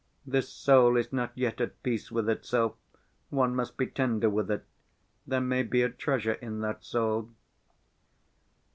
This soul is not yet at peace with itself, one must be tender with it ... there may be a treasure in that soul...."